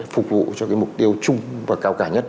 phục vụ cho cái mục tiêu chung và cao cả nhất